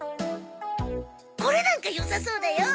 これなんか良さそうだよ。